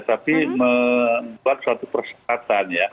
tapi membuat suatu persyaratan ya